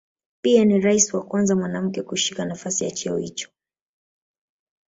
Pia ni rais wa kwanza mwanamke kushika nafasi ya cheo hicho